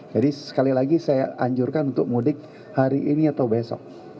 jadi sekali lagi saya anjurkan untuk mudik hari ini atau besok